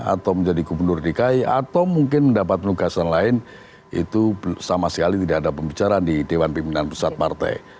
atau menjadi gubernur dki atau mungkin mendapat penugasan lain itu sama sekali tidak ada pembicaraan di dewan pimpinan pusat partai